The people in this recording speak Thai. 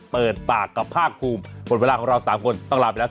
เปิดปากกับภาคภูมิหมดเวลาของเราสามคนต้องลาไปแล้ว